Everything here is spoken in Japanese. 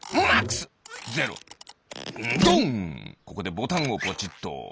ここでボタンをぽちっと。